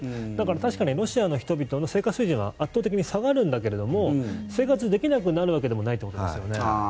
だからロシアの人々の生活水準は圧倒的に下がるんだけど生活できなくなるわけでもないということですよね。